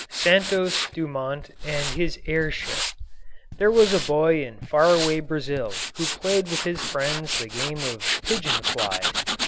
SANTOS DUMONT AND HIS AIR SHIP There was a boy in far away Brazil who played with his friends the game of "Pigeon Flies."